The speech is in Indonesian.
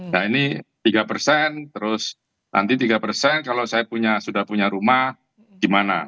nah ini tiga persen terus nanti tiga persen kalau saya sudah punya rumah gimana